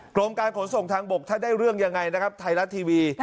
กรมการขนส่งทางบกถ้าได้เรื่องยังไงนะครับไทยรัฐทีวี